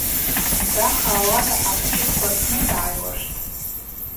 Даха ауат ахӏапчыпква рпны дгӏайуаштӏ.